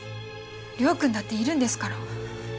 亮君だっているんですから。